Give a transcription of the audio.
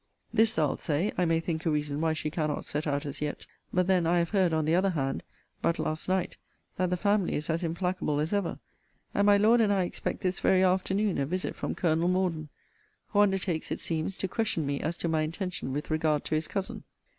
]. This, thou'lt say, I may think a reason why she cannot set out as yet: but then I have heard, on the other hand, but last night, that the family is as implacable as ever; and my Lord and I expect this very afternoon a visit from Colonel Morden; who, undertakes, it seems, to question me as to my intention with regard to his cousin.